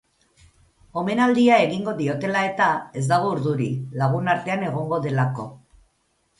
Omenaldia egingo diotela eta, ez dago urduri, lagun artean egongo delako.